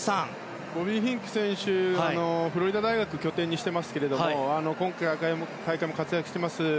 ボビー・フィンク選手はフロリダ大学を拠点にしていて今大会も活躍しています